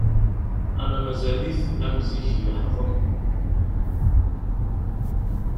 Ama mazal-it am zik yeḥḍem.